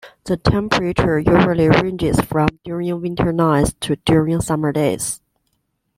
The temperature usually ranges from during winter nights to during summer days.